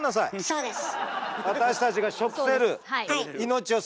そうです！